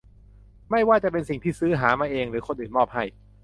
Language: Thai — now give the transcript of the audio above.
ไม่ว่าจะเป็นสิ่งที่ซื้อหามาเอง หรือคนอื่นมอบให้